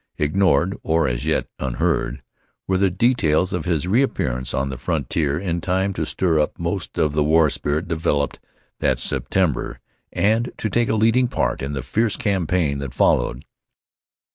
Ignored, or as yet unheard, were the details of his reappearance on the frontier in time to stir up most of the war spirit developed that September, and to take a leading part in the fierce campaign that followed.